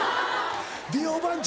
美容番長。